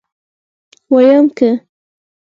ويم که.